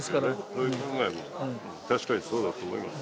そういう考えも確かにそうだと思います